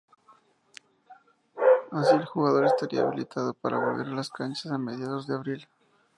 Así el jugador estaría habilitado para volver a las canchas a mediados de abril.